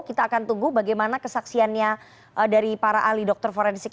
kita akan tunggu bagaimana kesaksiannya dari para ahli dokter forensik